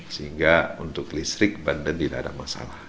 sehingga untuk listrik banten tidak ada masalah